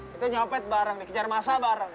kita nyopet bareng dikejar masa bareng